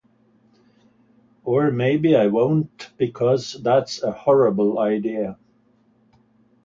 Or maybe I won't because that's a horrible idea.